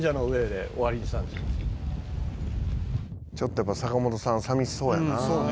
「ちょっとやっぱ坂本さん寂しそうやな」